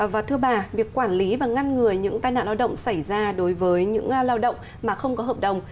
và thưa bà việc quản lý và ngăn ngừa những tai nạn lao động xảy ra đối với những lao động mà không có hợp đồng